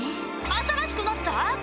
新しくなった？